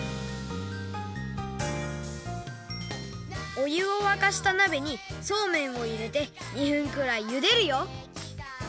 おゆをわかしたなべにそうめんをいれて２分くらいゆでるよ！